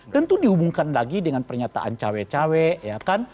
tentu dihubungkan lagi dengan pernyataan cawek cawek ya kan